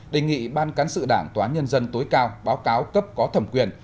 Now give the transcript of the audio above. đề nghị ban cán sự đảng tòa nhân dân tối cao báo cáo cấp có thẩm quyền